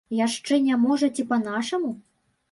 Яшчэ не можаце па-нашаму?